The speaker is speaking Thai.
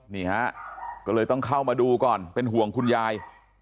นี่ฮะก็เลยต้องเข้ามาดูก่อนเป็นห่วงคุณยาย